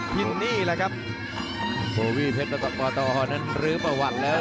พินนี่แหละครับโบวี่เพชรประตออร์นั้นลืมประวัติแล้ว